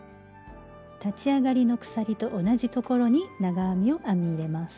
立ち上がりの鎖と同じところに長編みを編み入れます。